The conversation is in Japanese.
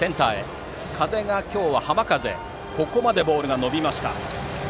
今日は浜風であそこまでボールが伸びました。